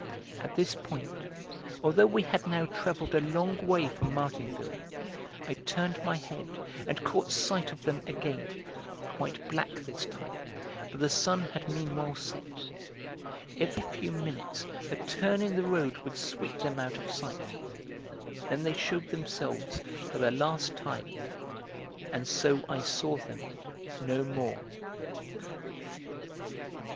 At this point, although we had now travelled a long way from Martinville, I turned my head and caught sight of them again, quite black this time, for the sun had meanwhile set. Every few minutes a turn in the road would sweep them out of sight; then they shewed themselves for the last time, and so I saw them no more.